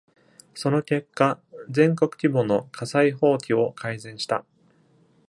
その結果、全国規模の火災法規を改善した。